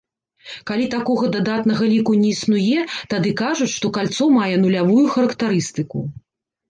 Калі такога дадатнага ліку не існуе, тады кажуць, што кальцо мае нулявую характарыстыку.